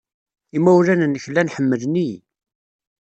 Imawlan-nnek llan ḥemmlen-iyi.